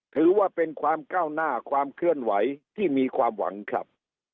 ถือว่าเป็นความก้าวหน้าความเคลื่อนไหวที่มีความหวังครับ